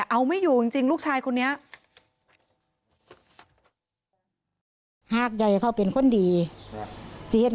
เอาไม่อยู่จริงลูกชายคนนี้